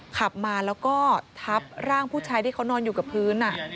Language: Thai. ขับมาแล้วก็ทับร่างผู้ชายที่เขานอนอยู่กับพื้น